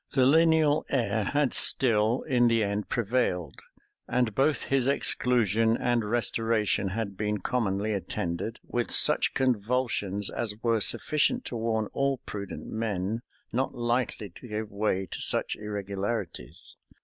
The lineal heir had still in the end prevailed: and both his exclusion and restoration had been commonly attended with such convulsions as were sufficient to warn all prudent men not lightly to give way to such irregularities.